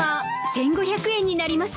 １，５００円になります。